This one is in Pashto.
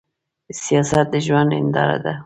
سياست د ژوند هينداره ده.